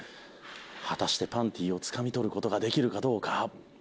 果たしてパンティをつかみ取る事ができるかどうか？